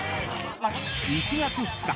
［１月２日。